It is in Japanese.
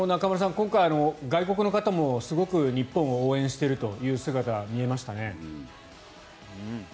今回、外国の方もすごく日本を応援しているという姿が見えましたね。